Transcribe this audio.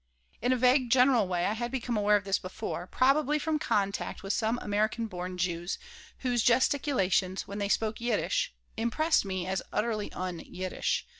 In a vague, general way I had become aware of this before, probably from contact with some American born Jews whose gesticulations, when they spoke Yiddish, impressed me as utterly un Yiddish.